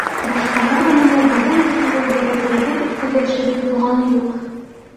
Башҡалар менән дә беҙҙең татыулыҡ боҙорҙай бер үпкәле эшебеҙ булғаны юҡ.